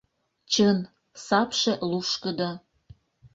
Чын, сапше лушкыдо.